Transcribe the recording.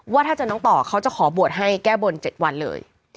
ว่าถ้าเจอน้องต่อเขาจะขอบวชให้แก้บน๗วันเลย